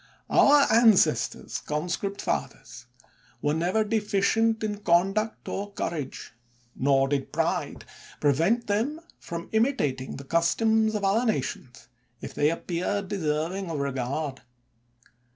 Our ancestors, conscript fathers, were never deficient in conduct or courage; nor did pride prevent them from imitating the customs of other nations, if they appeared deserving of regard.